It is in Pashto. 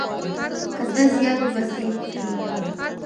که ته زیار وباسې پوهیږې.